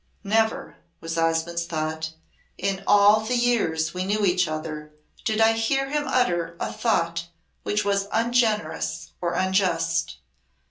"Never," was Osmonde's thought, "in all the years we knew each other did I hear him utter a thought which was ungenerous or unjust.